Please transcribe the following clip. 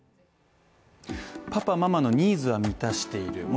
パパ、ママのニーズは満たしている。